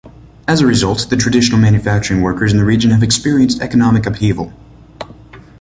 As a result, the traditional manufacturing workers in the region have experienced economic upheaval.